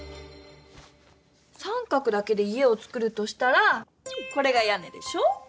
三角だけで家をつくるとしたらこれが「やね」でしょ。